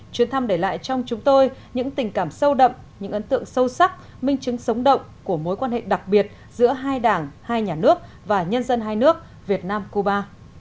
chuyến thăm để lại trong chúng tôi những tình cảm sâu đậm những ấn tượng sâu sắc minh chứng sống động của mối quan hệ đặc biệt giữa hai đảng hai nhà nước và nhân dân hai nước việt nam cuba